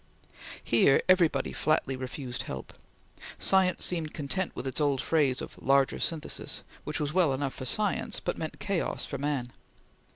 Here everybody flatly refused help. Science seemed content with its old phrase of "larger synthesis," which was well enough for science, but meant chaos for man.